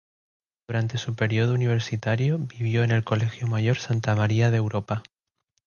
Durante su periodo universitario vivió en el Colegio Mayor Santa María de Europa.